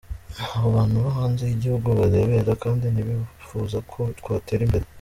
Abo bantu bo hanze y’igihugu bararebera, kandi ntibifuza ko twatera imbere!”